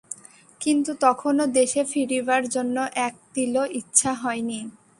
কিন্তু তখনো দেশে ফিরিবার জন্য এক তিলও ইচ্ছা হয় নি।